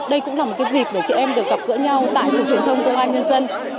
đây cũng là một cái dịp để chị em được gặp gỡ nhau tại cục truyền thông công an nhân dân